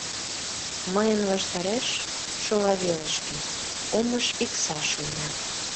Мыйын ваштареш, шола велышке, Омыж икса шуйна.